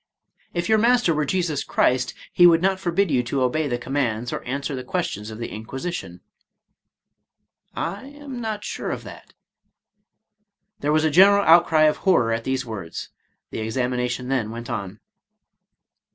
" If your master were Jesus Christ, he would not forbid you to obey the commands, or answer the questions of the Inquisition." —" I am not sure of that." There was a general outcry of horror at these words. The examination then went on.